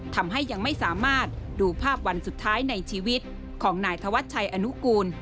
ทำให้ยังไม่สามารถดูภาพวันสุดท้ายในชีวิตของนายธวัชชัยอนุกูล